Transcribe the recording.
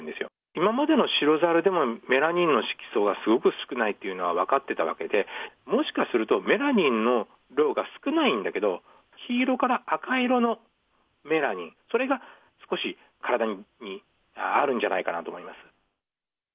今までの白猿でもメラニンの色素がすごく少ないというのは分かっていて、もしかするとメラニンの量が少ないんだけれども、黄色から赤色のメラニン、それが少し体にあるんじゃないかなと思います。